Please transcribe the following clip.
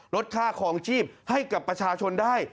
ลดค่าคลองชีพให้กับประชาชนได้